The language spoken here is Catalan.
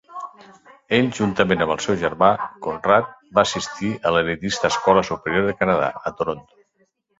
Ell, juntament amb el seu germà Conrad, va assistir a l'elitista Escola Superior de Canadà, a Toronto.